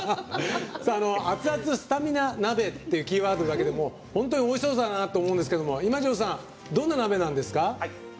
「あつあつスタミナ鍋」ってキーワードだけでも本当においしそうだなって思うんですけど今城さん、どんな鍋なんですか？